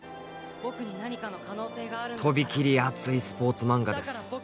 とびきり熱いスポーツ漫画です。